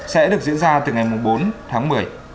sẽ được diễn ra từ ngày bốn tháng một mươi